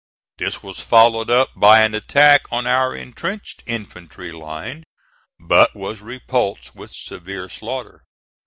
This was followed up by an attack on our intrenched infantry line, but was repulsed with severe slaughter.